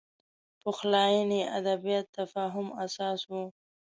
پخلاینې ادبیات تفاهم اساس و